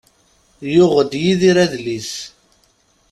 Yuɣ-d Yidir adlis.